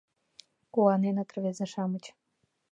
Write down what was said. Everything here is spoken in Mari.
— куаненыт рвезе-шамыч.